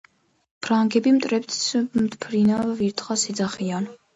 ფრანგები მტრედს "მფრინავ ვირთხას" ეძახიან.